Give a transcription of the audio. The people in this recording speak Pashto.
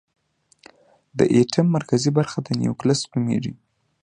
د ایټم مرکزي برخه نیوکلیس نومېږي.